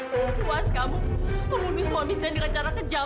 buas kamu membunuh suaminya dengan cara kejam